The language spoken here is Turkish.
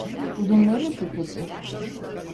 Bunun neresi kötü?